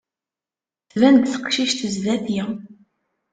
Tban-d teqcict sdat-i.